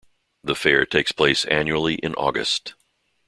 The Fair takes place annually in August.